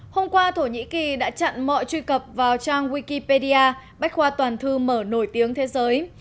hôm qua thổ nhĩ kỳ đã chặn mọi truy cập vào trang wikipedia bách khoa toàn thư mở nổi tiếng thế giới